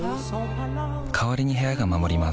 代わりに部屋が守ります